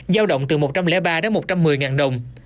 giao động từ một trăm linh ba đến một trăm một mươi ngàn đồng